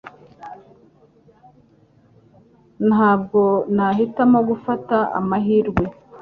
Ntabwo nahitamo gufata amahirwe